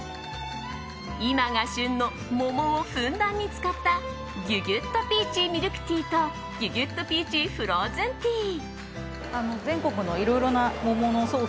今が旬の桃をふんだんに使ったぎゅぎゅっとピーチミルクティーとぎゅぎゅっとピーチフローズンティー。